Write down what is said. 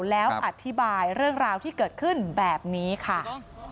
แล้วอธิบายเรื่องราวที่เกิดขึ้นแบบนี้ค่ะ